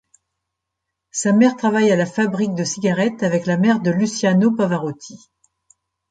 Sa mère travaille à la fabrique de cigarettes avec la mère de Luciano Pavarotti.